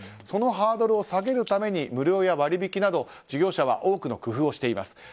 そのハードルを下げるために無料や割引など事業者は多くの工夫をしています。